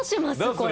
これ。